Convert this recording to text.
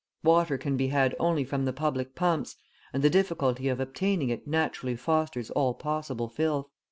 Water can be had only from the public pumps, and the difficulty of obtaining it naturally fosters all possible filth."